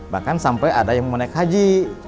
bahkan sampai ada yang mau naik haji